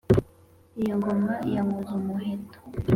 iyi ngoma ya nkoz-umuheto